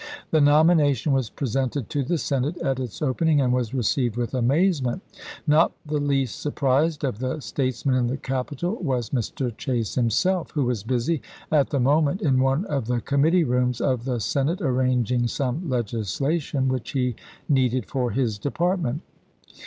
The nomination was presented to the Senate at its opening and was received with amazement. Not the least surprised of the statesmen in the Capitol was Mr. Chase himself, who was busy at the moment in one of the committee rooms of the Senate arranging some legislation which he needed for his department.